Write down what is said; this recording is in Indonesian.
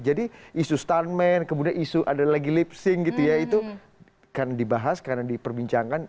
jadi isu stuntman kemudian isu ada lagi lip sync gitu ya itu karena dibahas karena diperbincangkan